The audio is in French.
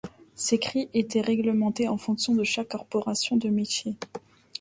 Ces cris étaient réglementés en fonction de chaque corporation de métier.